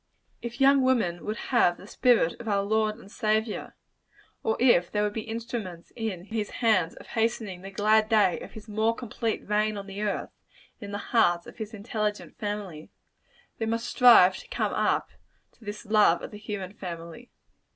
If young women would have the spirit of our Lord and Saviour or if they would be instruments in his hands of hastening the glad day of his more complete reign on the earth and in the hearts of his intelligent family they must strive to come up to this love of the human family.